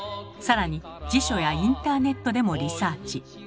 更に辞書やインターネットでもリサーチ。